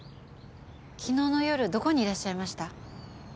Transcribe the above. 昨日の夜どこにいらっしゃいました？